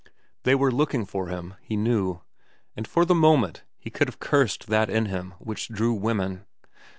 They were looking for him, he knew; and for the moment he could have cursed that in him which drew women.